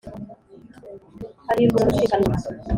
Hahirwa umuntu uzirikana ubuhanga,